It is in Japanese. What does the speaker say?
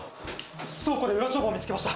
倉庫で裏帳簿を見つけました。